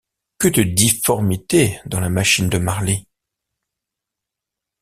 Que de difformités dans la machine de Marly!